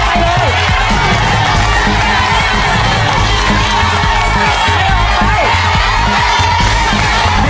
ไม่ออกไป